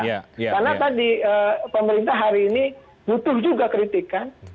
karena tadi pemerintah hari ini butuh juga kritikan